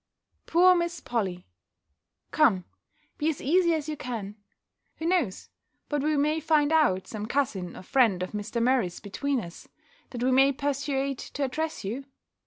"Poor Miss Polly Come, be as easy as you can! Who knows but we may find out some cousin or friend of Mr. Murray's between us, that we may persuade to address you?